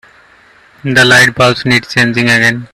The lightbulbs need changing again.